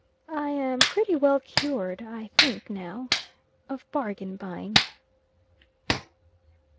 I am pretty well cured, I think now, of bargain buying.